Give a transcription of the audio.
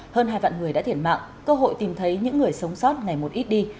hơn hai vạn người đã thiệt mạng cơ hội tìm thấy những người sống sót ngày một ít đi